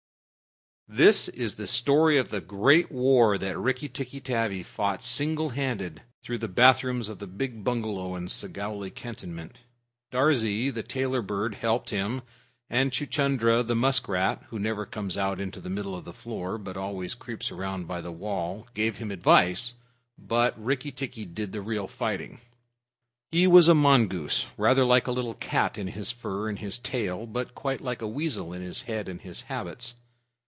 This is the story of the great war that Rikki tikki tavi fought single handed, through the bath rooms of the big bungalow in Segowlee cantonment. Darzee, the Tailorbird, helped him, and Chuchundra, the musk rat, who never comes out into the middle of the floor, but always creeps round by the wall, gave him advice, but Rikki tikki did the real fighting. He was a mongoose, rather like a little cat in his fur and his tail, but quite like a weasel in his head and his habits.